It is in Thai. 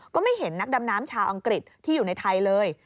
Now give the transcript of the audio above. ก็ไม่เห็นนักดำน้ำชาวอังกฤษที่อยู่ในไทยเลย